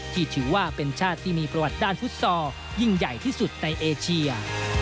ที่ถือว่าเป็นชาติที่มีประวัติด้านฟุตซอลยิ่งใหญ่ที่สุดในเอเชีย